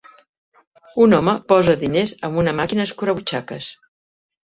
Un home posa diners en una màquina escurabutxaques.